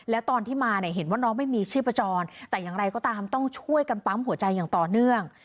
แล้วตอนที่มาเนี่ยเห็นว่าน้องไม่มีชีพจรแต่อย่างไรก็ตามต้องช่วยกันปั๊มหัวใจอย่างต่อเนื่อง